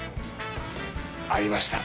ありました。